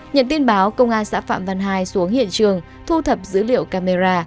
nhận tin báo công an xã phạm văn hai xuống hiện trường thu thập dữ liệu camera